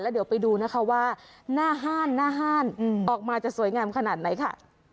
แล้วเดี๋ยวไปดูนะคะว่าหน้าห้านออกมาจะสวยงามขนาดไหนค่ะ